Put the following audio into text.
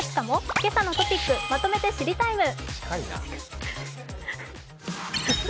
「けさのトピックまとめて知りＴＩＭＥ，」